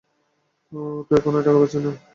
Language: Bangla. ও তো এখনই টাকা পাচ্ছে না।